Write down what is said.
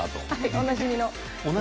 おなじみの。